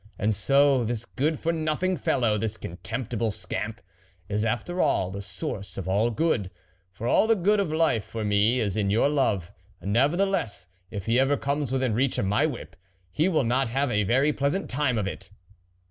And so, this good for nothing fellow, this contemptible scamp, is after all the source of all good, for all the good of life for me is in your love ; nevertheless if ever he comes within reach of my whip, he will not have a very pleasant time of it."